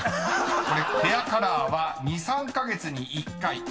［これヘアカラーは２３カ月に１回５９％］